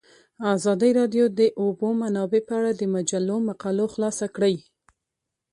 ازادي راډیو د د اوبو منابع په اړه د مجلو مقالو خلاصه کړې.